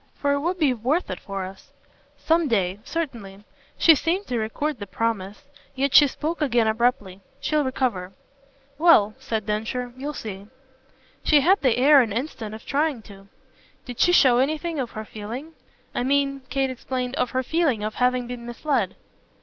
For it would be worth it for us." "Some day certainly." She seemed to record the promise. Yet she spoke again abruptly. "She'll recover." "Well," said Densher, "you'll see." She had the air an instant of trying to. "Did she show anything of her feeling? I mean," Kate explained, "of her feeling of having been misled."